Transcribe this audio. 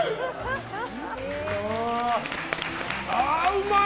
うまい！